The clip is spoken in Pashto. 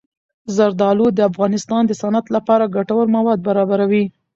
زردالو د افغانستان د صنعت لپاره ګټور مواد برابروي.